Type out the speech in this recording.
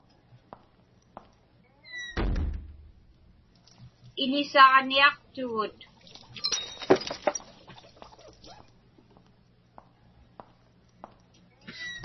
Iḷisaġniaqtugut.